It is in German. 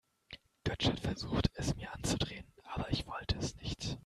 Götsch hat versucht, es mir anzudrehen, aber ich wollte es nicht.